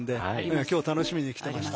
今日楽しみに来てました。